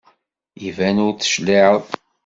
Iban ur d-tecliɛeḍ.